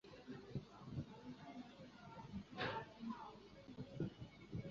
皇穆氏暗光鱼为辐鳍鱼纲巨口鱼目褶胸鱼科的其中一种。